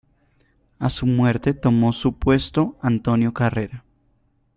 A su muerte, tomó su puesto Antonio Carrera.